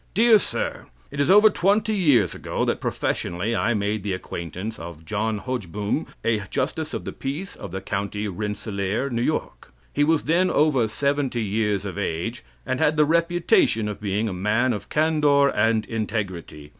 Dear Sir: It is over twenty years ago that, professionally, I made the acquaintance of John Hogeboom, a justice of the peace of the County Rensselaer, New York. He was then over seventy years of age, and had the reputation of being a man of candor and integrity.